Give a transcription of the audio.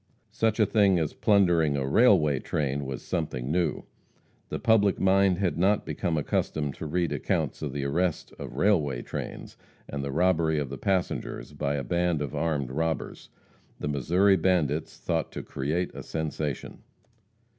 Such a thing as plundering a railway train was something new. The public mind had not become accustomed to read accounts of the arrest of railway trains and the robbery of the passengers by a band of armed robbers. The Missouri bandits thought to create a sensation.